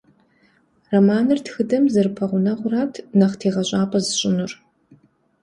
Романыр тхыдэм зэрыпэгъунэгъурат нэхъ тегъэщӏапӏэ сщӏынур.